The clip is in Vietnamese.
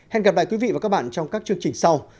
hẹn gặp lại quý vị và các bạn trong các chương trình sau